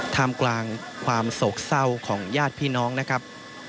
ทำกลางความโศกเศร้าของญาติพี่น้องนะครับ